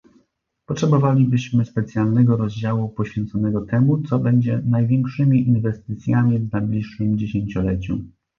Potrzebowalibyśmy specjalnego rozdziału poświęconego temu, co będzie największymi inwestycjami w najbliższym dziesięcioleciu